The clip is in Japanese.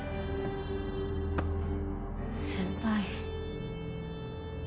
先輩。